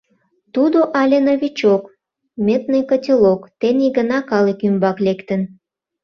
Тудо але новичок — медный котелок, тений гына калык ӱмбак лектын.